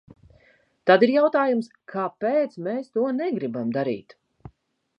Tad ir jautājums: kāpēc mēs to negribam darīt?